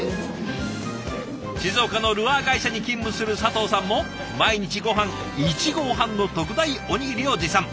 静岡のルアー会社に勤務する佐藤さんも毎日ごはん１合半の特大おにぎりを持参。